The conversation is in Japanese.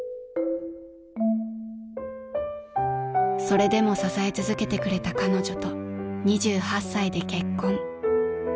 ［それでも支え続けてくれた彼女と２８歳で結婚］